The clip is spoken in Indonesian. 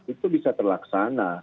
itu bisa terlaksana